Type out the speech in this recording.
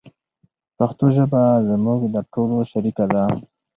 پښتو ژبه زموږ د ټولو شریکه ده.